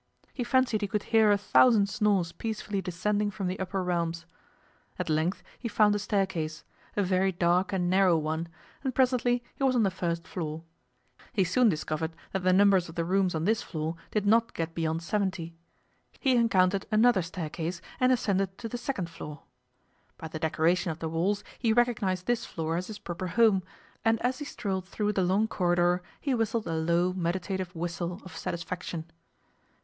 He fancied he could hear a thousand snores peacefully descending from the upper realms. At length he found a staircase, a very dark and narrow one, and presently he was on the first floor. He soon discovered that the numbers of the rooms on this floor did not get beyond seventy. He encountered another staircase and ascended to the second floor. By the decoration of the walls he recognized this floor as his proper home, and as he strolled through the long corridor he whistled a low, meditative whistle of satisfaction.